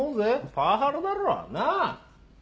パワハラだろなぁ！